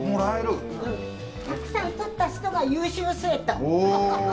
たくさん取った人が優秀生徒。